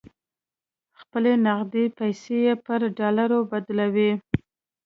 خپلې نغدې پیسې یې پر ډالرو بدلولې.